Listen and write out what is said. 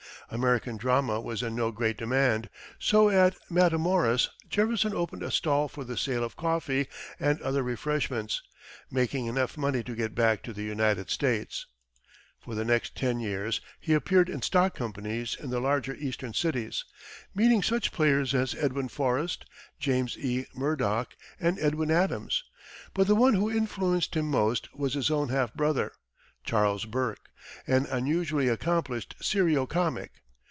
American drama was in no great demand, so at Matamoras Jefferson opened a stall for the sale of coffee and other refreshments, making enough money to get back to the United States. For the next ten years he appeared in stock companies in the larger eastern cities, meeting such players as Edwin Forrest, James E. Murdoch, and Edwin Adams; but the one who influenced him most was his own half brother, Charles Burke, an unusually accomplished serio comic.